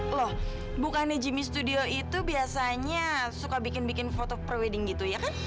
loh bukannya jimmy studio itu biasanya suka bikin bikin foto pre wedding gitu ya kan